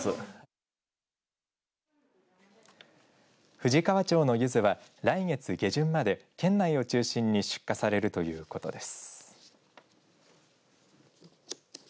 富士川町のゆずは来月下旬まで県内を中心に出荷されるということです。